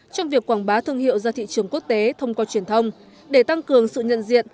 trong việc quảng bá thương hiệu ra thị trường quốc tế thông qua truyền thông để tăng cường sự nhận diện